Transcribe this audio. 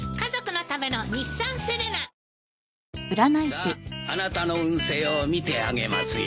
さああなたの運勢を見てあげますよ。